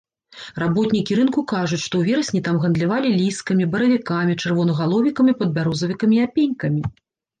Работнікі рынку кажуць, што ў верасні там гандлявалі ліскамі, баравікамі, чырвонагаловікамі, падбярозавікамі і апенькамі.